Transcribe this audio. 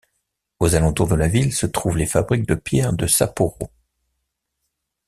Aux alentours de la ville se trouvent les fabriques de bière de Sapporo.